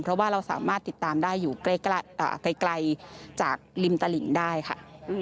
เพราะว่าเราสามารถติดตามได้อยู่ไกลจากริมตลิงได้ค่ะ